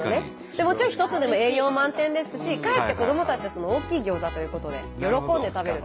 もちろん１つでも栄養満点ですしかえって子どもたちは大きいギョーザということで喜んで食べると。